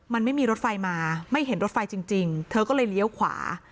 มันไม่มีรถไฟมาไม่เห็นรถไฟจริงเธอก็เลยเลี้ยวขวา